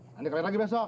nanti keliat lagi besok